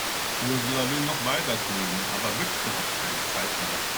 Ursula will noch weiter klönen, aber Wiebke hat keine Zeit mehr.